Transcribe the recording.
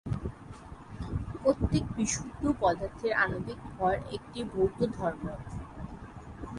প্রত্যেক বিশুদ্ধ পদার্থের আণবিক ভর একটি ভৌত ধর্ম।